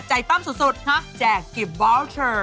ใจปั้มสุดแจกกิบบาลเชอร์